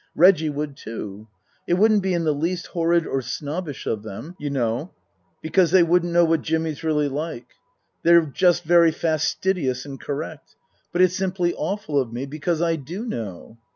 Reggie would, too. It wouldn't be in the least horrid or snobbish of them, you know, because they wouldn't know what Jimmy's really like. They're just very fastidious and correct. But it's simply awful of me, because I do know."